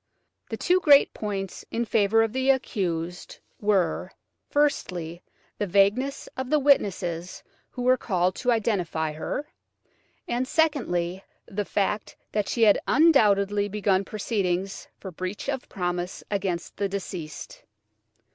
The two great points in favour of the accused were, firstly, the vagueness of the witnesses who were called to identify her, and, secondly, the fact that she had undoubtedly begun proceedings for breach of promise against the deceased.